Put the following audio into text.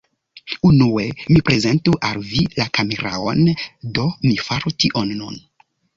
Unue, mi prezentu al vi la kameraon, do mi faru tion nun.